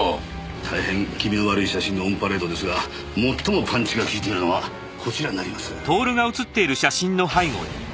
大変気味の悪い写真のオンパレードですが最もパンチが効いているのはこちらになります。